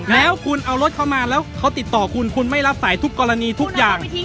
แล้วคุณเอารถมาแล้วที่สู่ติดต่อคุณไม่รับสายทุกกรณีทุกอย่าง